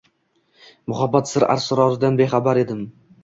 muhabbat sir-asroridan bexabar edim.